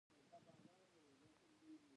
د ژبې پرمختګ یوازې په ګډ کار کېږي.